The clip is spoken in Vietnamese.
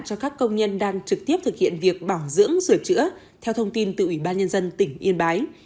cho các công nhân đang trực tiếp thực hiện việc bảo dưỡng sửa chữa theo thông tin từ ủy ban nhân dân tỉnh yên bái